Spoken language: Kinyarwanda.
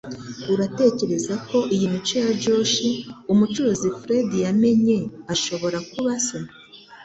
Uratekereza ko iyi mico ya Josh - umucukuzi Fred yamenye - ashobora kuba se?